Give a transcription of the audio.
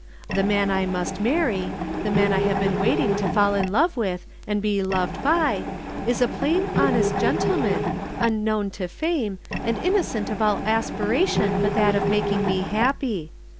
The man I must marry, the man I have been waiting to fall in love with and be loved by, is a plain honest gentleman, unknown to fame and innocent of all aspiration but that of making me happy.